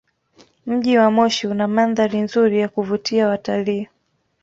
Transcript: Mji wa Moshi una mandhari nzuri ya kuvutia watalii.